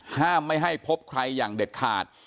ห้ามไม่ให้พบใครอย่างเด็ดขาด